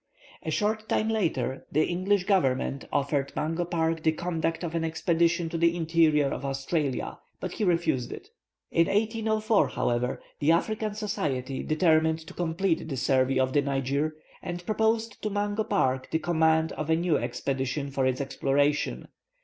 A short time later, the English government offered Mungo Park the conduct of an expedition to the interior of Australia; but he refused it. In 1804, however, the African Society determined to complete the survey of the Niger, and proposed to Mungo Park the command of a new expedition for its exploration.